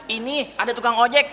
ini ada tukang ojek